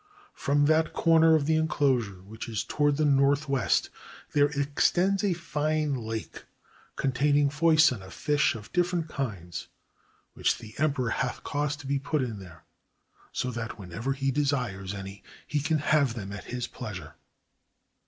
From that corner of the enclosure which is toward the northwest, there extends a fine lake, containing foison of fish of different kinds which the emperor hath caused to be put in there, so that whenever he desires any, he can have them at his pleasure.